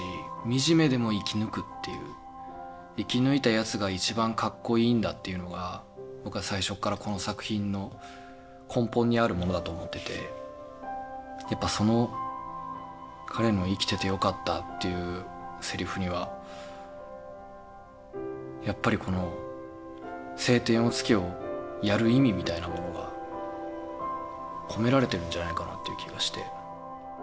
惨めでも生き抜くっていう生き抜いたやつが一番かっこいいんだっていうのが僕は最初からこの作品の根本にあるものだと思っていてやっぱその彼の「生きててよかった」というセリフにはやっぱりこの「青天を衝け」をやる意味みたいなものが込められてるんじゃないかなっていう気がして。